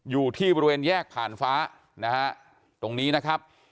อยู่ที่บริเวณแยกผ่านฟ้านะฮะตรงนี้นะครับ